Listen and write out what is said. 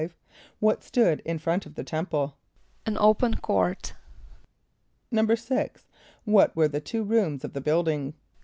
= What stood in front of the temple? =An open court.= =6.= What were the two rooms of the building?